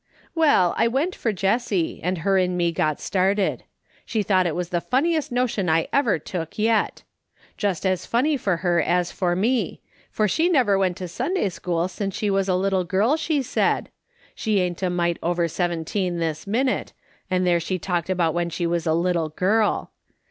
■ "Well, I went for Jessie, and her and me got started. She thought it was the funniest notion I ever took yet! Just as funny for her as for me, for she never went to Sunday school since she was a little girl, she said ; she ain't a mite over seven teen this minute, and there she talked about when she was a little girl.